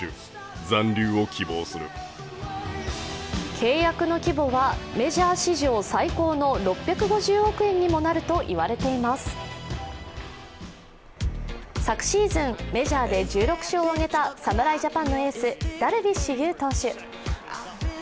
契約の規模はメジャー史上最高の６５０億円にもなるといわれています昨シーズン、メジャーで１６勝を挙げた侍ジャパンのエース・ダルビッシュ有投手。